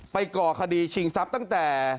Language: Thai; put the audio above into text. ก่อคดีชิงทรัพย์ตั้งแต่